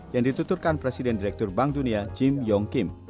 yang dituturkan presiden direktur bank dunia jim yong kim